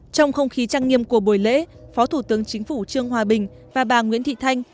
trong không khí trang nghiêm của buổi lễ phó thủ tướng chính phủ trương hòa bình và bà nguyễn thị thanh